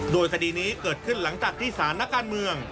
โดยคดีนี้เกิดขึ้นหลังจากที่สารนักการเมือง